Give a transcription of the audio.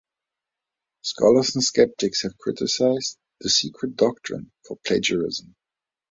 Scholars and skeptics have criticized "The Secret Doctrine" for plagiarism.